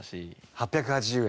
８８０円。